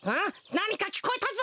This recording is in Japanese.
なにかきこえたぞ。